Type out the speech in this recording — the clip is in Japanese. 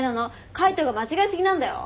海斗が間違え過ぎなんだよ。